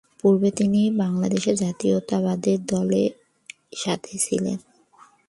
পূর্বে তিনি বাংলাদেশ জাতীয়তাবাদী দলের সাথে ছিলেন।